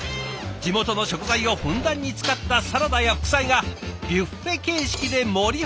地元の食材をふんだんに使ったサラダや副菜がビュッフェ形式で盛り放題。